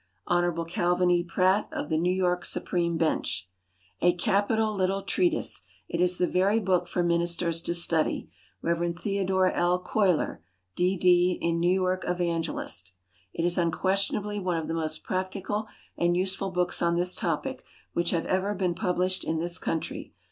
Hon. CALVIN E. PRATT, of the New York Supreme Bench. A capital little treatise. It is the very book for ministers to study. Rev. THEODORE L. CUYLER, D.D., in New York Evangelist. It is unquestionably one of the most practical and useful books on this topic which have ever been published in this country.